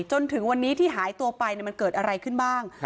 จนถึงวันนี้ที่หายตัวไปมันเกิดอะไรขึ้นบ้าง